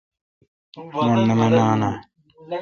مٹھ نہ من نا۔